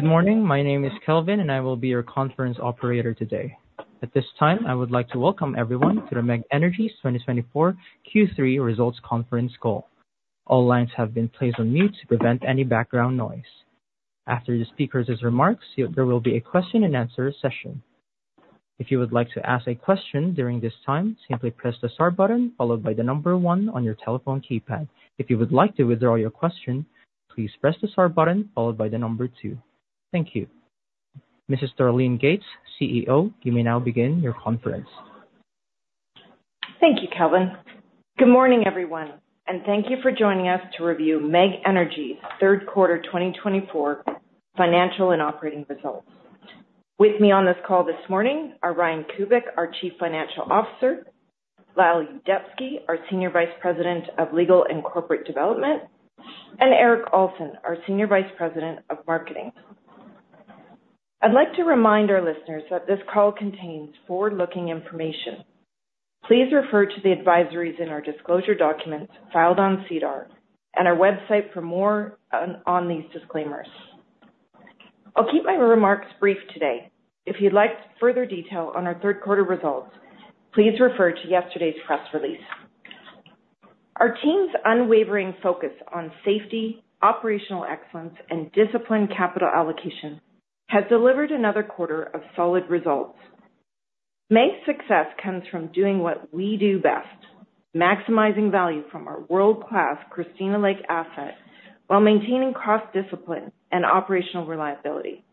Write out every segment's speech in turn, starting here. Good morning. My name is Kelvin, and I will be your conference operator today. At this time, I would like to welcome everyone to the MEG Energy's 2024 Q3 results conference call. All lines have been placed on mute to prevent any background noise. After the speakers' remarks, there will be a question-and-answer session. If you would like to ask a question during this time, simply press the star button followed by the number one on your telephone keypad. If you would like to withdraw your question, please press the star button followed by the number two. Thank you. Mrs. Darlene Gates, CEO, you may now begin your conference. Thank you, Kelvin. Good morning, everyone, and thank you for joining us to review MEG Energy's third quarter 2024 financial and operating results. With me on this call this morning are Ryan Kubik, our Chief Financial Officer, Lyle Yuzdepski, our Senior Vice President of Legal and Corporate Development, and Erik Alson, our Senior Vice President of Marketing. I'd like to remind our listeners that this call contains forward-looking information. Please refer to the advisories in our disclosure documents filed on SEDAR+ and our website for more on these disclaimers. I'll keep my remarks brief today. If you'd like further detail on our third quarter results, please refer to yesterday's press release. Our team's unwavering focus on safety, operational excellence, and disciplined capital allocation has delivered another quarter of solid results. MEG's success comes from doing what we do best: maximizing value from our world-class Christina Lake asset while maintaining cost discipline and operational reliability.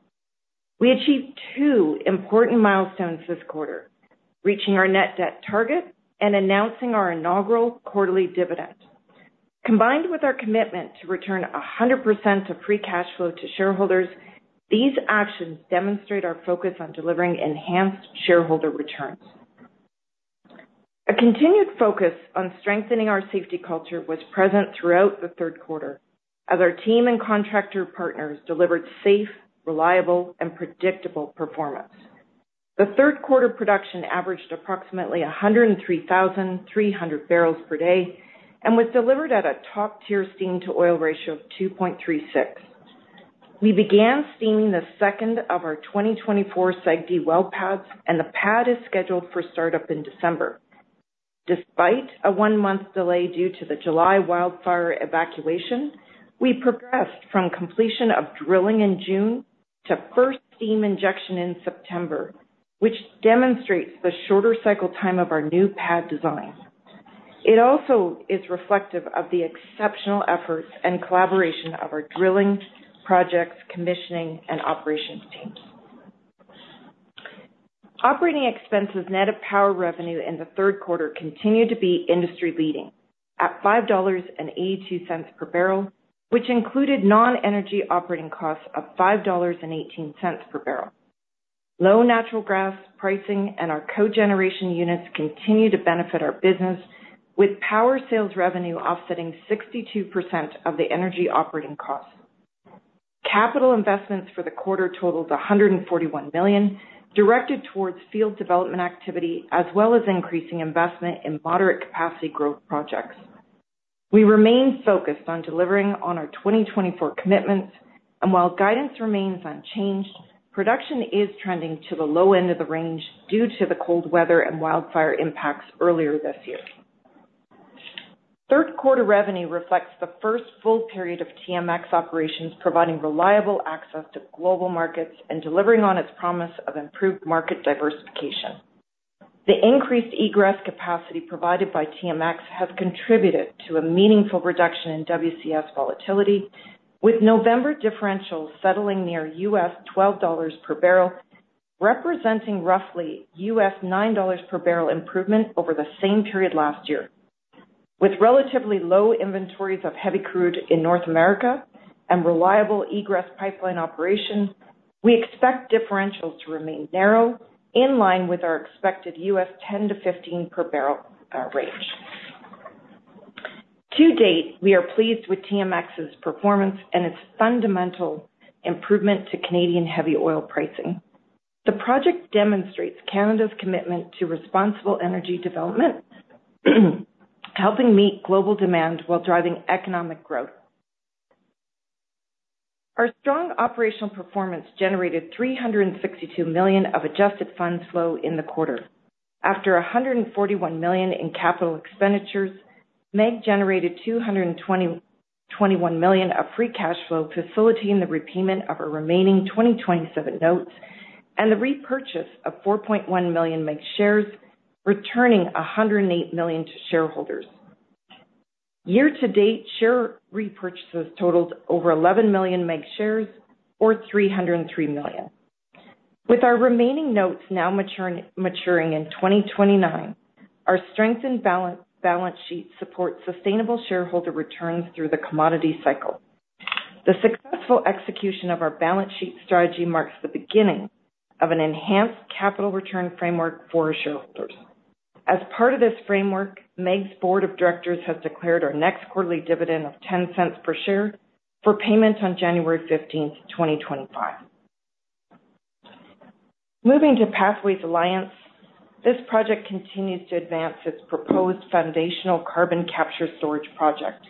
We achieved two important milestones this quarter: reaching our net debt target and announcing our inaugural quarterly dividend. Combined with our commitment to return 100% of free cash flow to shareholders, these actions demonstrate our focus on delivering enhanced shareholder returns. A continued focus on strengthening our safety culture was present throughout the third quarter as our team and contractor partners delivered safe, reliable, and predictable performance. The third quarter production averaged approximately 103,300 barrels per day and was delivered at a top-tier steam-to-oil ratio of 2.36. We began steaming the second of our 2024 SAGD well pads, and the pad is scheduled for startup in December. Despite a one-month delay due to the July wildfire evacuation, we progressed from completion of drilling in June to first steam injection in September, which demonstrates the shorter cycle time of our new pad design. It also is reflective of the exceptional efforts and collaboration of our drilling projects, commissioning, and operations teams. Operating expenses net of power revenue in the third quarter continued to be industry-leading at $5.82 per barrel, which included non-energy operating costs of $5.18 per barrel. Low natural gas pricing and our cogeneration units continue to benefit our business, with power sales revenue offsetting 62% of the energy operating costs. Capital investments for the quarter totaled $141 million, directed towards field development activity as well as increasing investment in moderate capacity growth projects. We remain focused on delivering on our 2024 commitments, and while guidance remains unchanged, production is trending to the low end of the range due to the cold weather and wildfire impacts earlier this year. Third quarter revenue reflects the first full period of TMX operations providing reliable access to global markets and delivering on its promise of improved market diversification. The increased egress capacity provided by TMX has contributed to a meaningful reduction in WCS volatility, with November differentials settling near $12 per barrel, representing roughly $9 per barrel improvement over the same period last year. With relatively low inventories of heavy crude in North America and reliable egress pipeline operation, we expect differentials to remain narrow, in line with our expected $10-$15 per barrel range. To date, we are pleased with TMX's performance and its fundamental improvement to Canadian heavy oil pricing. The project demonstrates Canada's commitment to responsible energy development, helping meet global demand while driving economic growth. Our strong operational performance generated 362 million of adjusted funds flow in the quarter. After 141 million in capital expenditures, MEG generated 221 million of free cash flow, facilitating the repayment of our remaining 2027 notes and the repurchase of 4.1 million MEG shares, returning 108 million to shareholders. Year-to-date share repurchases totaled over 11 million MEG shares, or 303 million. With our remaining notes now maturing in 2029, our strengthened balance sheet supports sustainable shareholder returns through the commodity cycle. The successful execution of our balance sheet strategy marks the beginning of an enhanced capital return framework for shareholders. As part of this framework, MEG's board of directors has declared our next quarterly dividend of 0.10 per share for payment on January 15, 2025. Moving to Pathways Alliance, this project continues to advance its proposed foundational carbon capture storage project.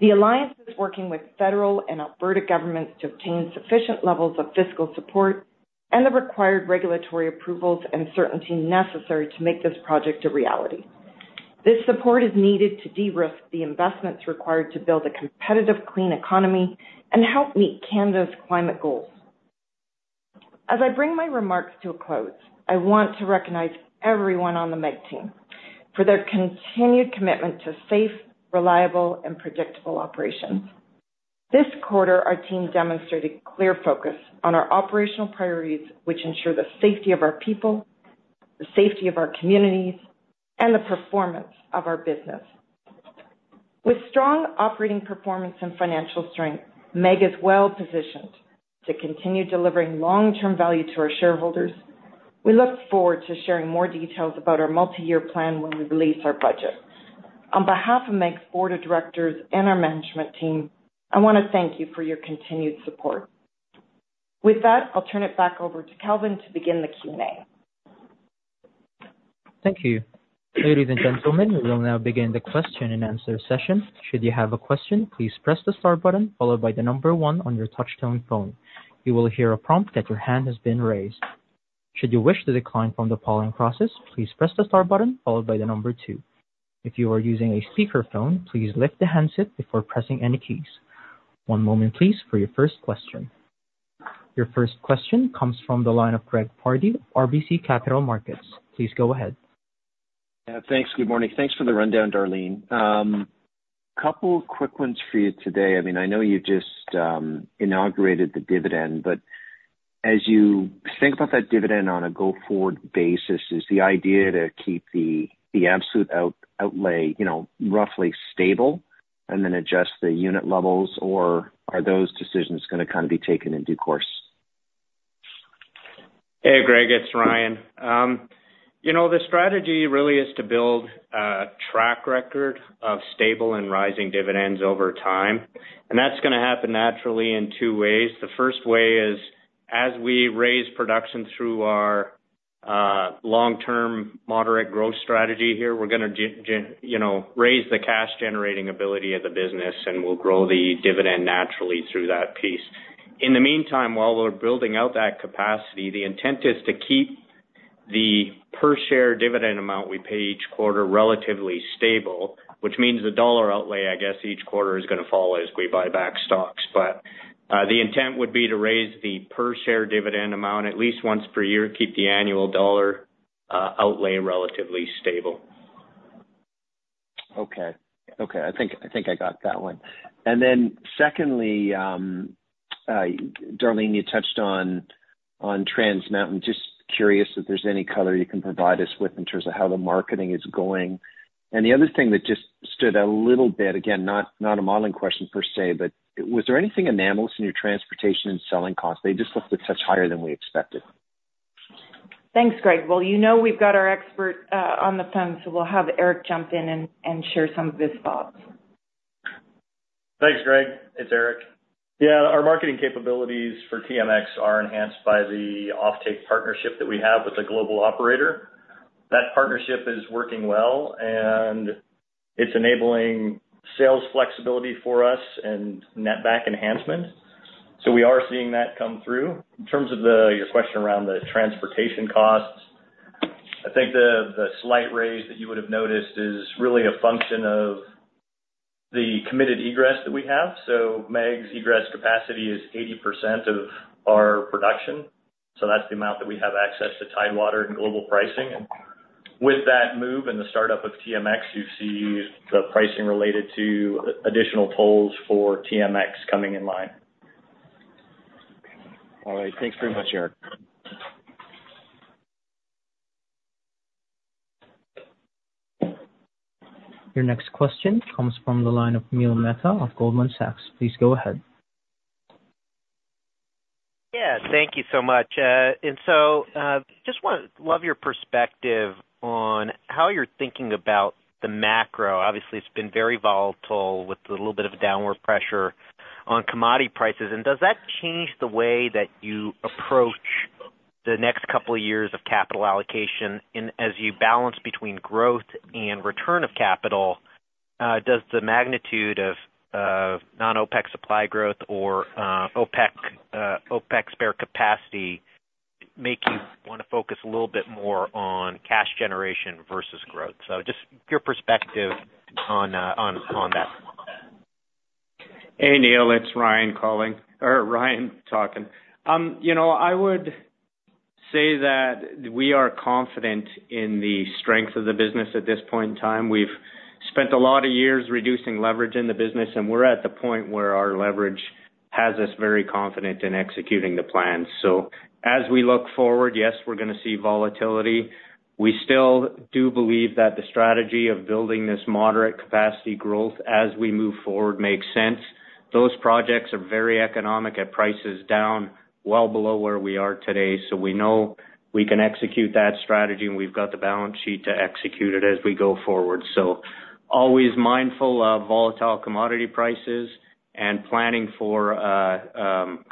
The alliance is working with federal and Alberta governments to obtain sufficient levels of fiscal support and the required regulatory approvals and certainty necessary to make this project a reality. This support is needed to de-risk the investments required to build a competitive, clean economy and help meet Canada's climate goals. As I bring my remarks to a close, I want to recognize everyone on the MEG team for their continued commitment to safe, reliable, and predictable operations. This quarter, our team demonstrated clear focus on our operational priorities, which ensure the safety of our people, the safety of our communities, and the performance of our business. With strong operating performance and financial strength, MEG is well positioned to continue delivering long-term value to our shareholders. We look forward to sharing more details about our multi-year plan when we release our budget. On behalf of MEG's board of directors and our management team, I want to thank you for your continued support. With that, I'll turn it back over to Kelvin to begin the Q&A. Thank you. Ladies and gentlemen, we will now begin the question-and-answer session. Should you have a question, please press the star button followed by the number one on your touch-tone phone. You will hear a prompt that your hand has been raised. Should you wish to decline from the following process, please press the star button followed by the number two. If you are using a speakerphone, please lift the handset before pressing any keys. One moment, please, for your first question. Your first question comes from the line of Greg Pardy of RBC Capital Markets. Please go ahead. Yeah, thanks. Good morning. Thanks for the rundown, Darlene. A couple of quick ones for you today. I mean, I know you just inaugurated the dividend, but as you think about that dividend on a go-forward basis, is the idea to keep the absolute outlay roughly stable and then adjust the unit levels, or are those decisions going to kind of be taken in due course? Hey, Greg, it's Ryan. You know, the strategy really is to build a track record of stable and rising dividends over time, and that's going to happen naturally in two ways. The first way is, as we raise production through our long-term moderate growth strategy here, we're going to raise the cash-generating ability of the business, and we'll grow the dividend naturally through that piece. In the meantime, while we're building out that capacity, the intent is to keep the per-share dividend amount we pay each quarter relatively stable, which means the dollar outlay, I guess, each quarter is going to fall as we buy back stocks. But the intent would be to raise the per-share dividend amount at least once per year, keep the annual dollar outlay relatively stable. Okay. Okay. I think I got that one. And then secondly, Darlene, you touched on Trans Mountain. Just curious if there's any color you can provide us with in terms of how the marketing is going. And the other thing that just stood out a little bit, again, not a modeling question per se, but was there anything anomalous in your transportation and selling costs? They just looked a touch higher than we expected. Thanks, Greg. Well, you know we've got our expert on the phone, so we'll have Erik jump in and share some of his thoughts. Thanks, Greg. It's Erik. Yeah, our marketing capabilities for TMX are enhanced by the offtake partnership that we have with a global operator. That partnership is working well, and it's enabling sales flexibility for us and netback enhancement. So we are seeing that come through. In terms of your question around the transportation costs, I think the slight raise that you would have noticed is really a function of the committed egress that we have. So MEG's egress capacity is 80% of our production, so that's the amount that we have access to tidewater and global pricing. And with that move and the startup of TMX, you see the pricing related to additional tolls for TMX coming in line. All right. Thanks very much, Erik. Your next question comes from the line of Neil Mehta of Goldman Sachs. Please go ahead. Yeah, thank you so much. I just want to hear your perspective on how you're thinking about the macro. Obviously, it's been very volatile with a little bit of downward pressure on commodity prices. Does that change the way that you approach the next couple of years of capital allocation? As you balance between growth and return of capital, does the magnitude of non-OPEC supply growth or OPEC spare capacity make you want to focus a little bit more on cash generation versus growth? Just your perspective on that. Hey, Neil. It's Ryan calling or Ryan talking. You know, I would say that we are confident in the strength of the business at this point in time. We've spent a lot of years reducing leverage in the business, and we're at the point where our leverage has us very confident in executing the plan. So as we look forward, yes, we're going to see volatility. We still do believe that the strategy of building this moderate capacity growth as we move forward makes sense. Those projects are very economic at prices down well below where we are today, so we know we can execute that strategy, and we've got the balance sheet to execute it as we go forward. So always mindful of volatile commodity prices and planning for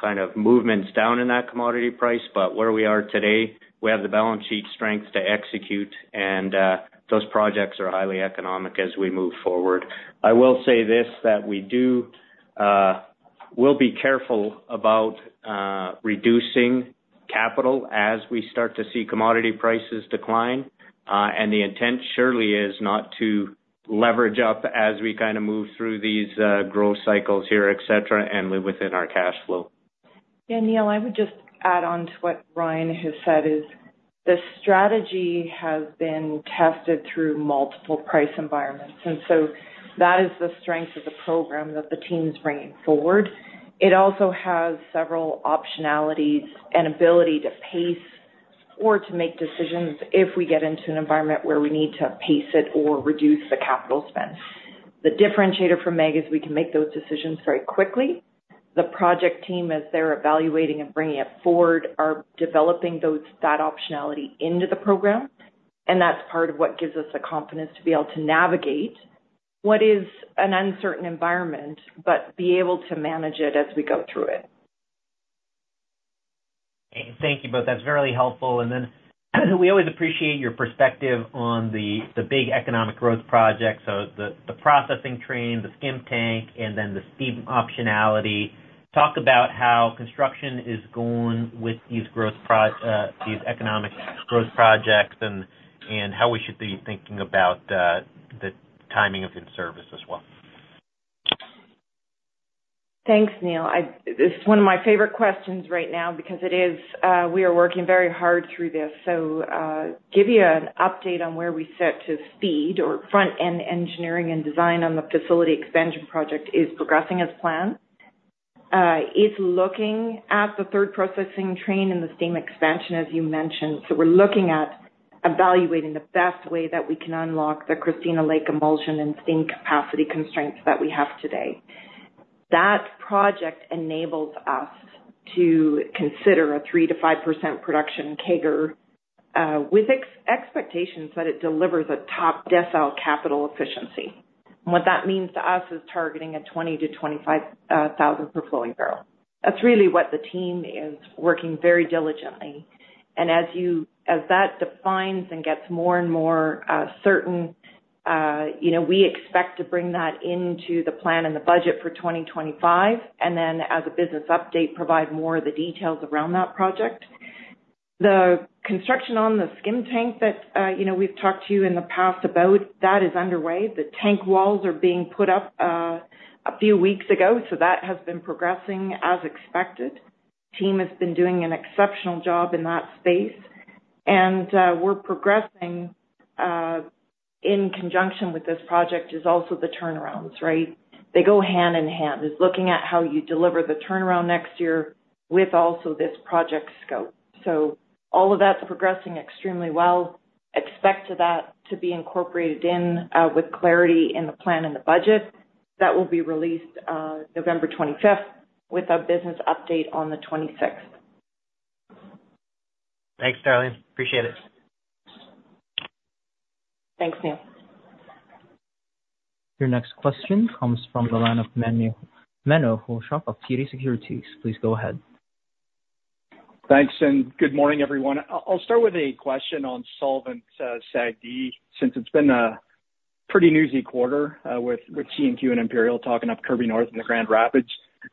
kind of movements down in that commodity price. But where we are today, we have the balance sheet strength to execute, and those projects are highly economic as we move forward. I will say this: that we will be careful about reducing capital as we start to see commodity prices decline, and the intent surely is not to leverage up as we kind of move through these growth cycles here, etc., and live within our cash flow. Yeah, Neil, I would just add on to what Ryan has said is the strategy has been tested through multiple price environments, and so that is the strength of the program that the team's bringing forward. It also has several optionalities and ability to pace or to make decisions if we get into an environment where we need to pace it or reduce the capital spend. The differentiator for MEG is we can make those decisions very quickly. The project team, as they're evaluating and bringing it forward, are developing that optionality into the program, and that's part of what gives us the confidence to be able to navigate what is an uncertain environment but be able to manage it as we go through it. Thank you both. That's very helpful. And then we always appreciate your perspective on the big economic growth projects, so the processing train, the skim tank, and then the steam optionality. Talk about how construction is going with these economic growth projects and how we should be thinking about the timing of in-service as well. Thanks, Neil. This is one of my favorite questions right now because we are working very hard through this. So, to give you an update on where we're at today with front-end engineering and design on the facility expansion project is progressing as planned. It's looking at the third processing train and the steam expansion, as you mentioned. So we're looking at evaluating the best way that we can unlock the Christina Lake emulsion and steam capacity constraints that we have today. That project enables us to consider a 3%-5% production CAGR with expectations that it delivers a top decile capital efficiency. And what that means to us is targeting 20,000-25,000 per flowing barrel. That's really what the team is working very diligently. As that defines and gets more and more certain, we expect to bring that into the plan and the budget for 2025, and then as a business update, provide more of the details around that project. The construction on the skim tank that we've talked to you in the past about, that is underway. The tank walls are being put up a few weeks ago, so that has been progressing as expected. The team has been doing an exceptional job in that space, and we're progressing in conjunction with this project is also the turnarounds, right? They go hand in hand. It's looking at how you deliver the turnaround next year with also this project scope. So all of that's progressing extremely well. Expect that to be incorporated in with clarity in the plan and the budget. That will be released November 25th with a business update on the 26th. Thanks, Darlene. Appreciate it. Thanks, Neil. Your next question comes from the line of Menno Hulshof of TD Securities. Please go ahead. Thanks, and good morning, everyone. I'll start with a question on solvent SAGD since it's been a pretty newsy quarter with CNQ and Imperial talking up Kirby North and the Grand Rapids.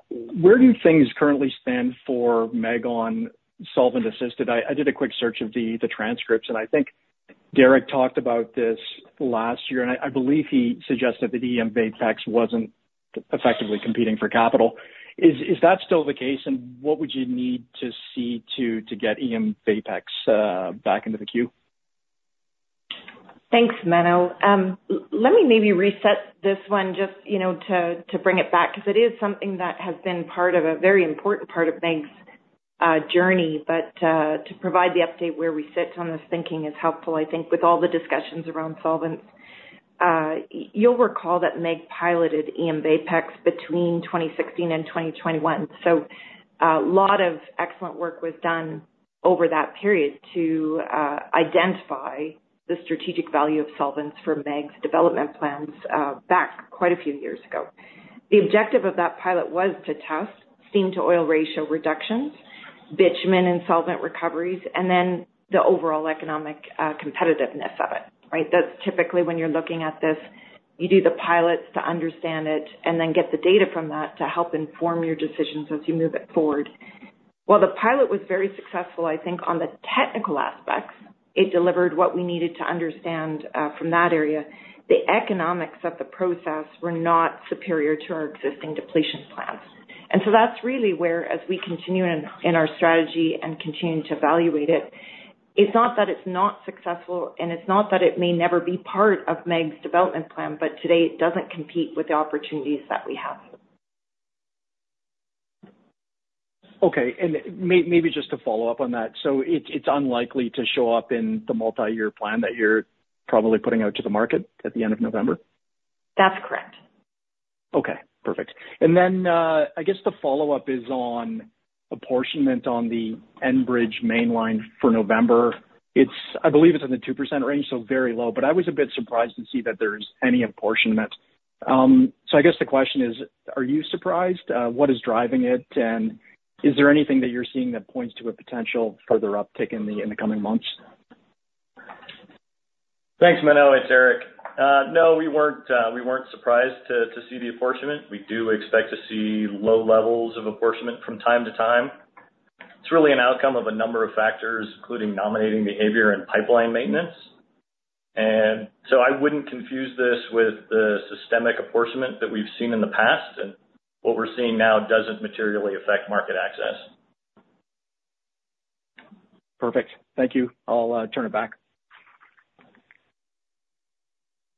Where do things currently stand for MEG on solvent-assisted? I did a quick search of the transcripts, and I think Derek talked about this last year, and I believe he suggested that eMVAPEX wasn't effectively competing for capital. Is that still the case, and what would you need to see to get eMVAPEX back into the queue? Thanks, Menno. Let me maybe reset this one just to bring it back because it is something that has been part of a very important part of MEG's journey. But to provide the update where we sit on this thinking is helpful, I think, with all the discussions around solvents. You'll recall that MEG piloted eMVAPEX between 2016 and 2021, so a lot of excellent work was done over that period to identify the strategic value of solvents for MEG's development plans back quite a few years ago. The objective of that pilot was to test steam-to-oil ratio reductions, bitumen and solvent recoveries, and then the overall economic competitiveness of it, right? That's typically when you're looking at this, you do the pilots to understand it and then get the data from that to help inform your decisions as you move it forward. While the pilot was very successful, I think on the technical aspects, it delivered what we needed to understand from that area. The economics of the process were not superior to our existing depletion plans, and so that's really where, as we continue in our strategy and continue to evaluate it, it's not that it's not successful, and it's not that it may never be part of MEG's development plan, but today it doesn't compete with the opportunities that we have. Okay, and maybe just to follow up on that, so it's unlikely to show up in the multi-year plan that you're probably putting out to the market at the end of November? That's correct. Okay. Perfect. And then I guess the follow-up is on apportionment on the Enbridge Mainline for November. I believe it's in the 2% range, so very low, but I was a bit surprised to see that there's any apportionment. So I guess the question is, are you surprised? What is driving it? And is there anything that you're seeing that points to a potential further uptick in the coming months? Thanks, Menno. It's Erik. No, we weren't surprised to see the apportionment. We do expect to see low levels of apportionment from time to time. It's really an outcome of a number of factors, including nominating behavior and pipeline maintenance. And so I wouldn't confuse this with the systemic apportionment that we've seen in the past, and what we're seeing now doesn't materially affect market access. Perfect. Thank you. I'll turn it back.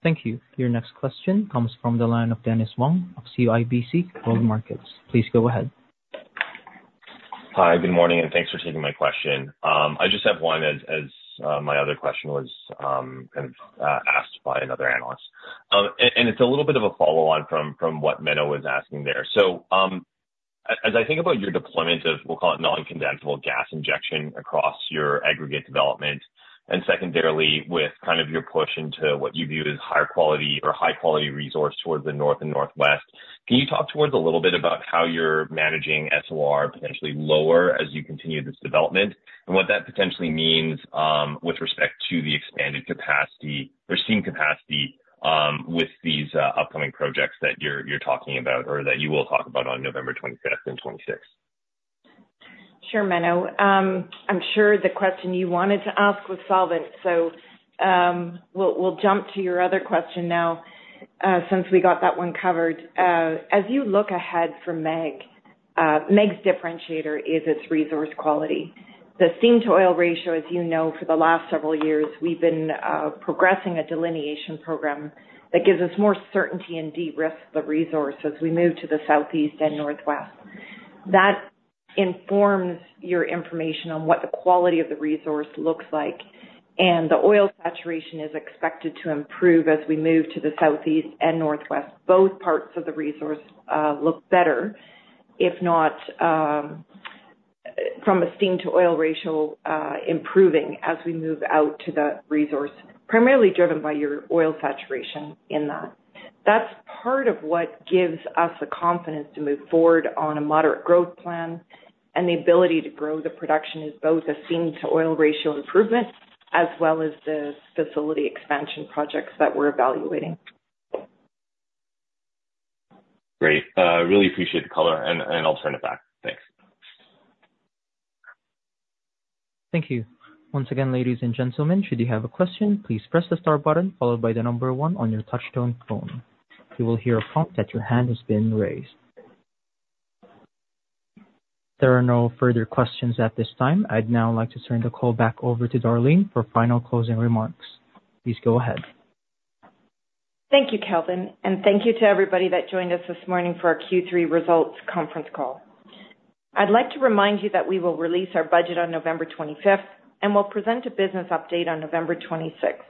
Thank you. Your next question comes from the line of Dennis Fong of CIBC World Markets. Please go ahead. Hi, good morning, and thanks for taking my question. I just have one as my other question was kind of asked by another analyst. And it's a little bit of a follow-on from what Menno was asking there. So as I think about your deployment of, we'll call it non-condensable gas injection across your aggregate development, and secondarily with kind of your push into what you view as high-quality resource towards the north and northwest, can you talk to us a little bit about how you're managing SOR potentially lower as you continue this development and what that potentially means with respect to the expanded capacity or steam capacity with these upcoming projects that you're talking about or that you will talk about on November 25th and 26th? Sure, Menno. I'm sure the question you wanted to ask was solvent, so we'll jump to your other question now since we got that one covered. As you look ahead for MEG, MEG's differentiator is its resource quality. The steam-to-oil ratio, as you know, for the last several years, we've been progressing a delineation program that gives us more certainty and de-risk the resource as we move to the southeast and northwest. That informs your information on what the quality of the resource looks like, and the oil saturation is expected to improve as we move to the southeast and northwest. Both parts of the resource look better, if not from a steam-to-oil ratio improving as we move out to that resource, primarily driven by your oil saturation in that. That's part of what gives us the confidence to move forward on a moderate growth plan, and the ability to grow the production is both a steam-to-oil ratio improvement as well as the facility expansion projects that we're evaluating. Great. I really appreciate the color, and I'll turn it back. Thanks. Thank you. Once again, ladies and gentlemen, should you have a question, please press the star button followed by the number one on your touch-tone phone. You will hear a prompt that your hand has been raised. There are no further questions at this time. I'd now like to turn the call back over to Darlene for final closing remarks. Please go ahead. Thank you, Kelvin, and thank you to everybody that joined us this morning for our Q3 results conference call. I'd like to remind you that we will release our budget on November 25th and will present a business update on November 26th.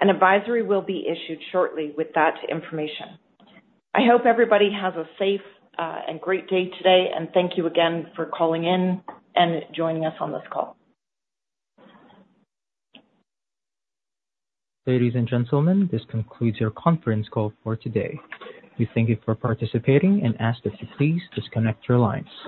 An advisory will be issued shortly with that information. I hope everybody has a safe and great day today, and thank you again for calling in and joining us on this call. Ladies and gentlemen, this concludes your conference call for today. We thank you for participating and ask that you please disconnect your lines.